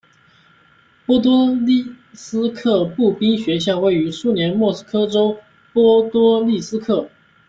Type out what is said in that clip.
波多利斯克步兵学校位于苏联莫斯科州波多利斯克。